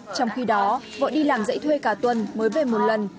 trong khi đó vợ đi làm dậy thuê cả tuần mới về một lần